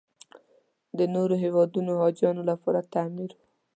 د نورو هېوادونو حاجیانو لپاره تعمیر و.